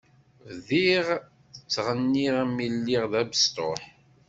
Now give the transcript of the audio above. Bdiɣ ttɣenniɣ mi lliɣ d abestuḥ.